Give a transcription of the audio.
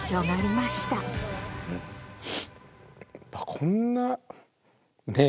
こんなねぇ。